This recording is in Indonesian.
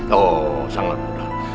oh sangat mudah